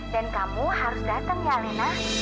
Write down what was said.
dan kamu harus datang ya alena